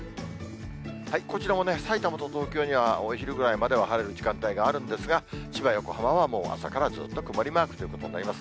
こちらも、さいたまと東京にはお昼ぐらいまでは晴れる時間帯があるんですが、千葉、横浜はもう朝からずっと曇りマークということになります。